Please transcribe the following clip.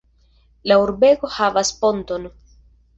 La urbego havas ponton.